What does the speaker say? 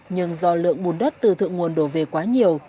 nhưng do lượng bùn đất từ thượng nguồn đổ về quá nhiều